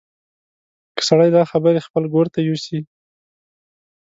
که سړی دا خبرې خپل ګور ته یوسي.